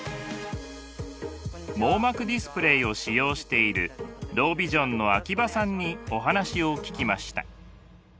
網膜ディスプレイを使用しているロービジョンの秋葉さんにお話を聞きました。